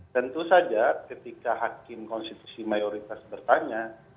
tentu saja ketika hakim konstitusi mayoritas bertanya